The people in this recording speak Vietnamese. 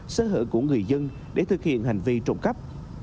xã hội của người dân để thực hiện hành vi trộm cắp